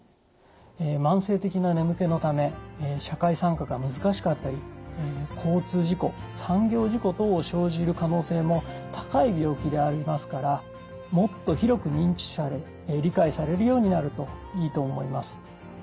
慢性的な眠気のため社会参加が難しかったり交通事故産業事故等を生じる可能性も高い病気でありますからもっと広く認知され理解されるようになるといいと思います。